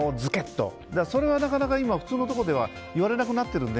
それはなかなか普通のところでは言われなくなっているので。